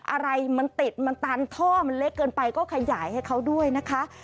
อะไรมันติดมันตันท่อมันเล็กเกินไปก็ขยายให้เขาด้วยนะคะ